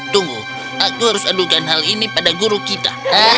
tunggu aku harus adukan hal ini pada guru kita